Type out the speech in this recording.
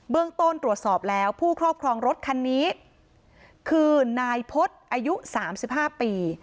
เรื่องต้นตรวจสอบแล้วผู้ครอบครองรถคันนี้คือนายพฤษอายุ๓๕ปี